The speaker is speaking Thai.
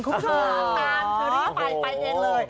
ครูชะวานจาร์ชะลี่ไปไปเองเลย